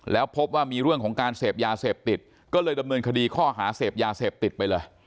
แล้วพบว่ามีเรื่องของการเสพยาเสพติดก็เลยดำเนินคดีข้อหาเสพยาเสพติดไปเลย